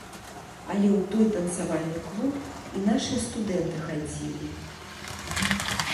Але ў той танцавальны клуб і нашыя студэнты хадзілі.